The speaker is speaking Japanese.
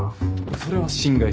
それは心外っす。